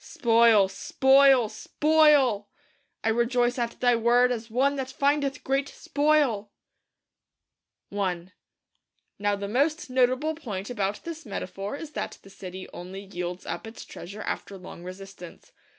Spoil; spoil; SPOIL! 'I rejoice at Thy Word as one that findeth great spoil!' I Now the most notable point about this metaphor is that the city only yields up its treasure after long resistance.